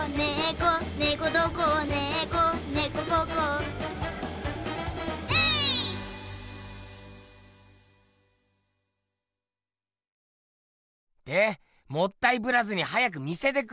こねこどこねこねこココえい！でもったいぶらずに早く見せてくれよ！